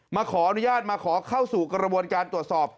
มาขออนุญาตมาขอเข้าสู่กระบวนการตรวจสอบ